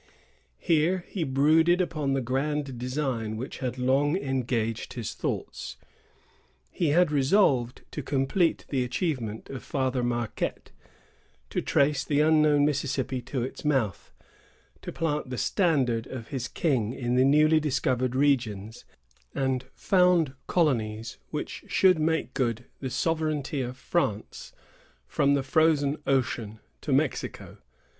Here he brooded upon the grand design which had long engaged his thoughts. He had resolved to complete the achievement of Father Marquette, to trace the unknown Mississippi to its mouth, to plant the standard of his king in the newly discovered regions, and found colonies which should make good the sovereignty of France from the Frozen Ocean to Mexico.